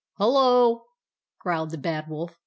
" Hullo f" growled the Bad Wolf.